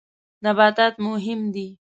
نباتات مهم دي.